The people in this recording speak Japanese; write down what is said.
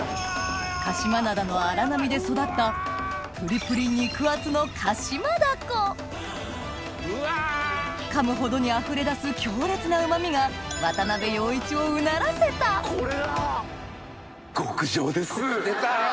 鹿島灘の荒波で育ったプリプリ肉厚の噛むほどにあふれ出す強烈なうま味が渡部陽一をうならせたこれだ！